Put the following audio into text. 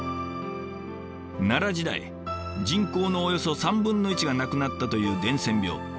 奈良時代人口のおよそ３分の１が亡くなったという伝染病。